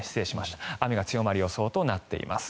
雨が強まる予想となっています。